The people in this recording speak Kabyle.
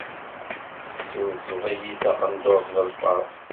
Tesselseḍ-iyi taqendurt n lferḥ.